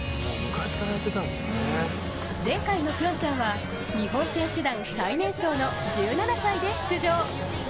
前回のピョンチャンは日本選手団最年少の１７歳で出場。